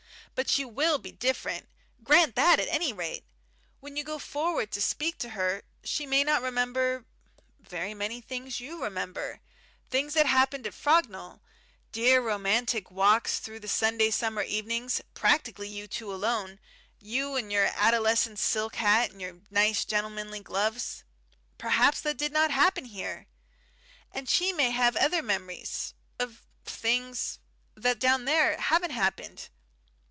But she will be different. Grant that at any rate. When you go forward to speak to her, she may not remember very many things you may remember. Things that happened at Frognal dear romantic walks through the Sunday summer evenings, practically you two alone, you in your adolescent silk hat and your nice gentlemanly gloves.... Perhaps that did not happen here! And she may have other memories of things that down there haven't happened.